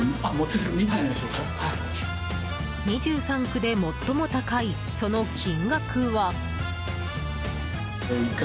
２３区で最も高いその金額は。